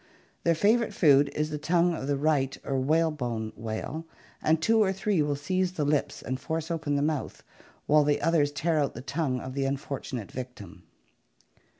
Their favorite food is the tongue of the right or whalebone whale, and two or three will seize the lips and force open the mouth, while the others tear out the tongue of the unfortunate victim.